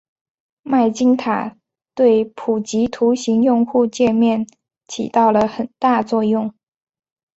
麦金塔对普及图形用户界面起到了很大作用。